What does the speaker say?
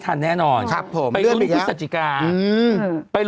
เทียดภาพธุรกิจการ